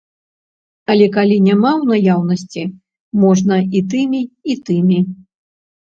Але калі няма ў наяўнасці, можна і тымі, і тымі.